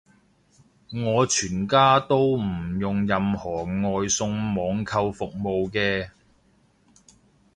我全家都唔用任何外送網購服務嘅